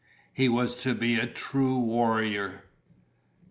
He was to be a true warrior.